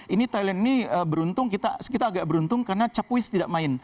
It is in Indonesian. ini thailand ini beruntung kita agak beruntung karena capuis tidak main